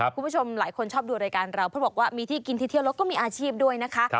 คุณผู้ชมหลายคนชอบดูรายการเราเพราะบอกว่ามีที่กินที่เที่ยวแล้วก็มีอาชีพด้วยนะคะ